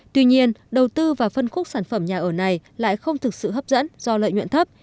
tuy nhiên đầu tư và phân khúc sản phẩm nhà ở này lại không thực sự hấp dẫn do lợi nhuận thấp